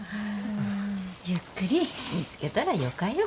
ゆっくり見つけたらよかよ。